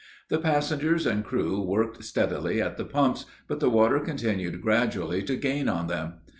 The passengers and crew worked steadily at the pumps, but the water continued gradually to gain on them.